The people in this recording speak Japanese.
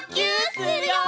するよ！